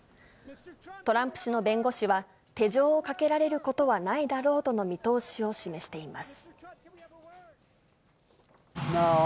トランプ氏の弁護士は、手錠をかけられることはないだろうとの見通しを示しています。